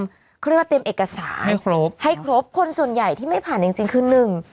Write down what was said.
เขาเรียกว่าเตรียมเอกสารให้ครบให้ครบคนส่วนใหญ่ที่ไม่ผ่านจริงจริงคือหนึ่ง